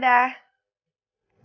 gue gak tau sa